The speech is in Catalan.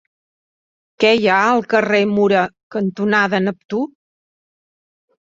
Què hi ha al carrer Mura cantonada Neptú?